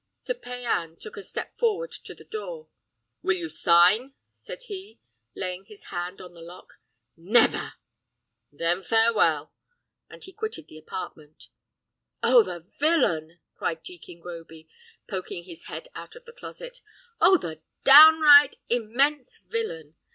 Sir Payan took a step forward to the door. "Will you sign?" said he, laying his hand on the lock. "Never!" "Then farewell!" and he quitted the apartment. "Oh, the villain!" cried Jekin Groby, poking his head out of the closet. "Oh, the downright, immense villain!